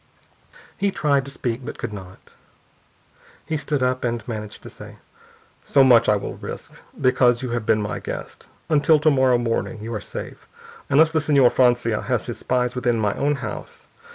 He tried to speak, and could not. He stood up, and managed to say: "So much I will risk, because you have been my guest. Until to morrow morning you are safe, unless the Señor Francia has his spies within my own house.